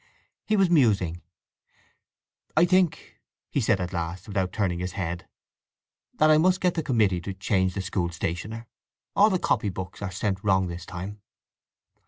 He was musing, "I think," he said at last, without turning his head, "that I must get the committee to change the school stationer. All the copybooks are sent wrong this time."